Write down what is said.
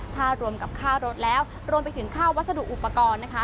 ถ้ารวมกับค่ารถแล้วรวมไปถึงค่าวัสดุอุปกรณ์นะคะ